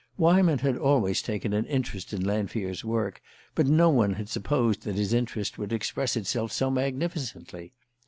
Weyman had always taken an interest in Lanfear's work, but no one had supposed that his interest would express itself so magnificently.